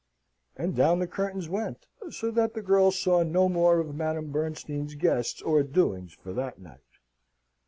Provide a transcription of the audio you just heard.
And down the curtains went, so that the girls saw no more of Madame Bernstein's guests or doings for that night.